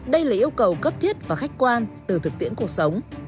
đây là yêu cầu cấp thiết và khách quan từ thực tiễn cuộc sống